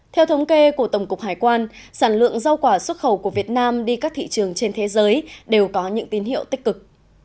theo thống kê của tổng cục hải quan sản lượng rau quả xuất khẩu của việt nam đi các thị trường trên thế giới đều có những tín hiệu tích cực